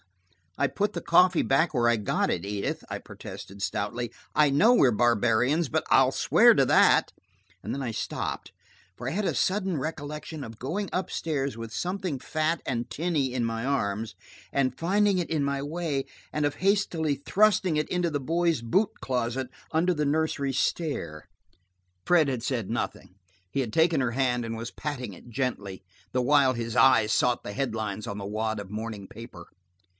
'" "I put the coffee back where I got it, Edith," I protested stoutly. "I know we're barbarians, but I'll swear to that." And then I stopped, for I had a sudden recollection of going up stairs with something fat and tinny in my arms, of finding it in my way, and of hastily thrusting it into the boys' boot closet under the nursery stair. Fred had said nothing. He had taken her hand and was patting it gently, the while his eyes sought the head lines on the wad of morning paper.